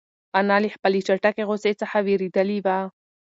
انا له خپلې چټکې غوسې څخه وېرېدلې وه.